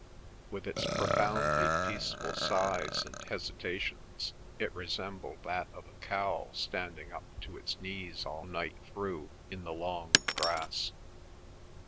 With its profoundly peaceful sighs and hesitations it resembled that of a cow standing up to its knees all night through in the long grass.